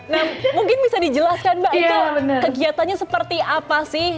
nah mungkin bisa dijelaskan mbak itu kegiatannya seperti apa sih